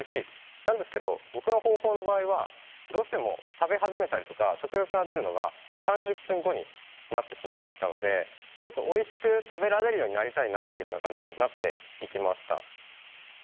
なんですけど僕の方法の場合はどうしても食べ始めたりとか食欲が出るのが３０分後になってしまっていたのでもっとおいしく食べられるようになりたいなっていうふうな感じでなっていきました。